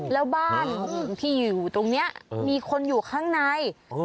แล้วบ้านที่อยู่ตรงนี้มีคนอยู่ข้างใน